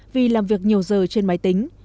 vì làm việc nhiều giờ trên máy tính